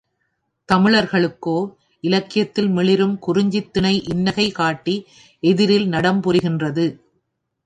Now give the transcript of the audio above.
தமிழர்களுக்கோ, இலக்கியத்தில் மிளிரும் குறிஞ்சித் திணை இன்னகை காட்டி எதிரில் நடம்புரிகின்றது.